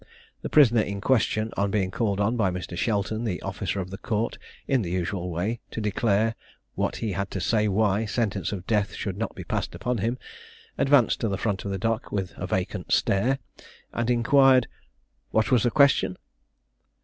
The prisoner in question on being called on by Mr. Shelton, the officer of the court, in the usual way, to declare what he had to say why sentence of death should not be passed upon him, advanced to the front of the dock with a vacant stare, and inquired "What was the question?"